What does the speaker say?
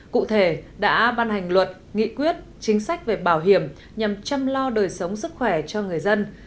cụ thể đã ban hành luật nghị quyết chính sách về bảo hiểm nhằm chăm lo đời sống sức khỏe cho người dân